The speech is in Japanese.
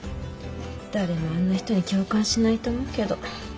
誰もあんな人に共感しないと思うけど。